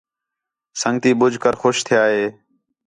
سنڳتی ٻُجھ کر خوش تِھیا ہِے